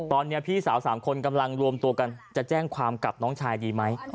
ตอนนี้พี่สาว๓คนกำลังรวมตัวกันจะแจ้งความกับน้องชายดีไหม